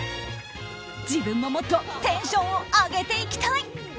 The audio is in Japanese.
自分ももっとテンションを上げていきたい。